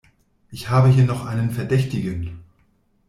Ich habe hier noch einen Verdächtigen.